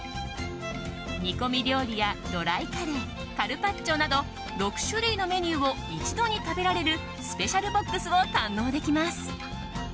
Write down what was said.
煮込み料理やドライカレーカルパッチョなど６種類のメニューを一度に食べられるスペシャルボックスを堪能できます。